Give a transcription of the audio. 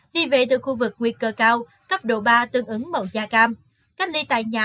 đi về từ khu vực nguy cơ cao cấp độ ba tương ứng mẫu da cam cách ly tại nhà